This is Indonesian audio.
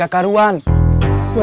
saya tidak menggoda